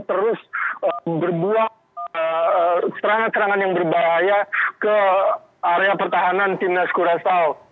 terus berbuah serangan serangan yang berbahaya ke area pertahanan timnas kurasaw